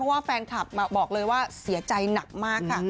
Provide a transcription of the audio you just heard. ว่าแฟนคลับบอกเลยว่าเสียใจหนักมากค่ะ